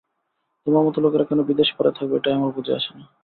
তোমার মতো লোকেরা কেন বিদেশ পড়ে থাকবে এটাই আমার বুঝে আসে না।